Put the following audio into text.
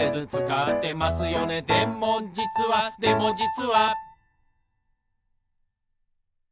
「でもじつはでもじつは」